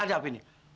ada apa ini